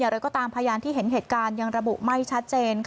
เราก็ตามพยานที่เห็นเหตุการณ์ยังระบุไม่ชัดเจน